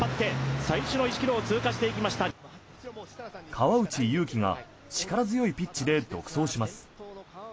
川内優輝が力強いピッチで独走します。